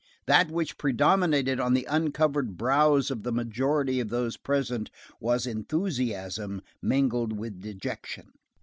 That which predominated on the uncovered brows of the majority of those present was enthusiasm mingled with dejection.